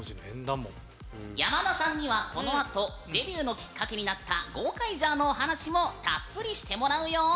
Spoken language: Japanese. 山田さんにはこのあとデビューのきっかけになった「ゴーカイジャー」のお話もたっぷりしてもらうよ！